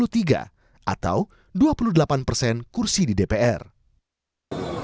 sementara yang berpeluang oposisi adalah pdip dan pks yang jumlah kursi dari pks